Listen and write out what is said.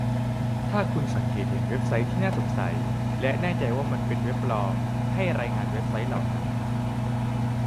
ถ้าคุณสังเกตเห็นเว็บไซต์ที่น่าสงสัยและแน่ใจว่ามันเป็นเว็บปลอมให้รายงานเว็บไชต์เหล่านั้น